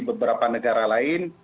beberapa negara lain